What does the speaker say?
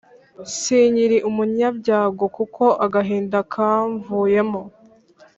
Sinkiri umunyabyago kuko agahinda kamvuyemo